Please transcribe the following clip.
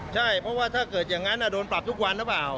ใช่เพราะว่าถ้าเกิดอย่างนั้นโดนปรับทุกวันหรือเปล่า